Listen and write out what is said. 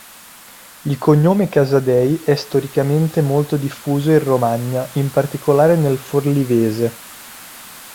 Il cognome Casadei è storicamente molto diffuso in Romagna, in particolare nel forlivese.